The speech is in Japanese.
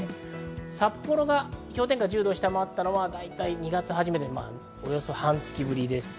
札幌が氷点下１０度を下回ったのは大体２月初めでおよそ半月ぶりです。